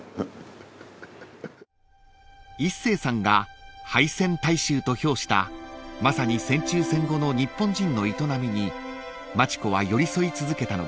［イッセーさんが敗戦大衆と評したまさに戦中戦後の日本人の営みに町子は寄り添い続けたのです］